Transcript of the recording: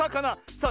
さあ。